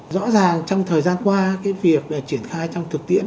rõ ràng trong thời gian qua cái việc để triển khai trong thực tiễn